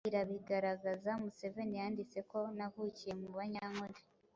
irabigaragaza. Museveni yanditse ko “Navukiye mu Banyankole